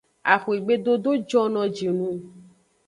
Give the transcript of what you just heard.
Axwegbe dodo jono ji nung.